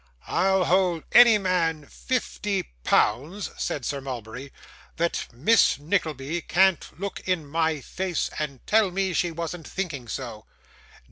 'I'll hold any man fifty pounds,' said Sir Mulberry, 'that Miss Nickleby can't look in my face, and tell me she wasn't thinking so.